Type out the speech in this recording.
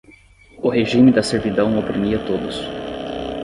o regime da servidão oprimia todos